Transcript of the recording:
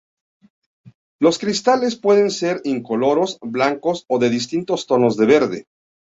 Los cristales pueden ser incoloros, blancos o de distintos tonos de verde.